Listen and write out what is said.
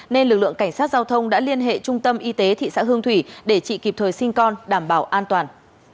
nên lực lượng cảnh sát giao thông đã liên hệ trung tâm y tế thị xã hương thủy để trị kịp thời sinh con đảm bảo an toàn